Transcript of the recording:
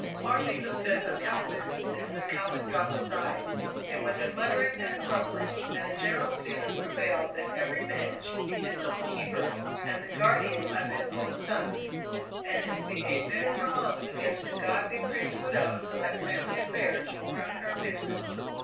Hornby looked at McAlpin and McAlpin dropped his eyes; there was a muttering and a grumbling, and a general feeling prevailed that every man should be his own keeper and the guardian of his own sons, and it would be a bitter wrong against a God be praised widow to let family affairs ruin her business.